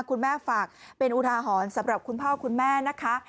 ฝากเป็นอุทาหรณ์สำหรับคุณพ่อคุณแม่นะคะ